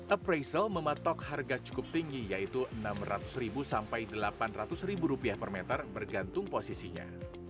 appraisal mematok harga cukup tinggi yaitu rp enam ratus sampai rp delapan ratus per meter bergantung posisinya